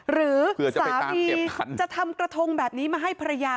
หรือสามีจะทำกระทงแบบนี้มาให้ภรรยา